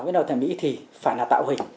với đầu thẩm mỹ thì phải là tạo hình